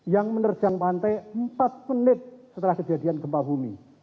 yang menerjang pantai empat menit setelah kejadian gempa bumi